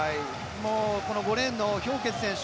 この５レーンのヒョウケツ選手